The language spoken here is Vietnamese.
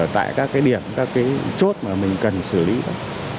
tại các cái điểm các cái chốt mà mình cần xử lý cả